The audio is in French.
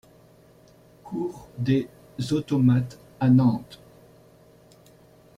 Cour des Automates à Nantes